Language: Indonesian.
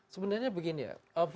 sebenarnya begini ya